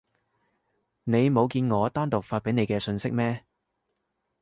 你冇見我單獨發畀你嘅訊息咩？